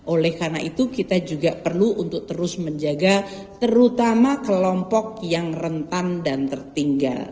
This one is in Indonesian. oleh karena itu kita juga perlu untuk terus menjaga terutama kelompok yang rentan dan tertinggal